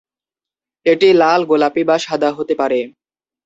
এটি লাল, গোলাপি বা সাদা হতে পারে।